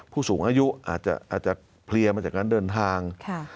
ผู้สูงอายุอาจจะเพลียมาจากการเดินทาง